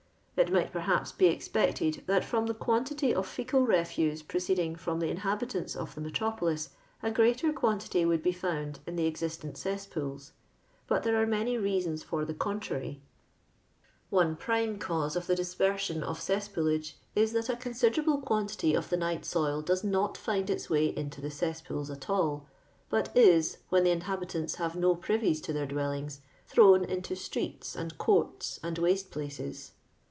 It might, perhaps, l»e exi)ected, that ft\»m the (piantity of frccal refuse proceeding from the inhabitants of the metropohs, a greater quantity would he f(»und in the existent cesspools; but there are many reasons for tlie conti ary. JLONDOX LABOUR AND THE LONDON POOR, lAl One prime cause of the dispersion of poolage is, that a considerable quantity of the uight soil does not find its way into the cess pools at all, but is, when the inhabitants have no privies to their dwellings, thrown into streets, and courts, and waste places.